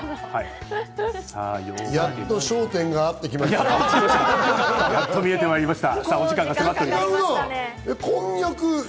やっと焦点が合ってきました。